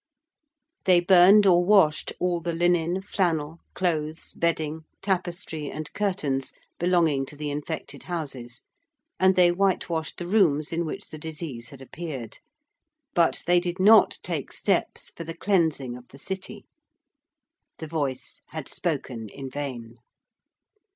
They burned or washed all the linen, flannel, clothes, bedding, tapestry and curtains belonging to the infected houses: and they whitewashed the rooms in which the disease had appeared. But they did not take steps for the cleansing of the City. The voice had spoken in vain.